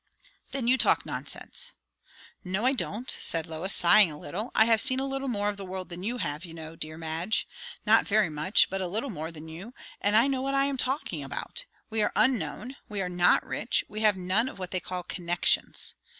"Then you talk nonsense!" "No, I don't," said Lois, sighing a little. "I have seen a little more of the world than you have, you know, dear Madge; not very much, but a little more than you; and I know what I am talking about. We are unknown, we are not rich, we have none of what they call 'connections.'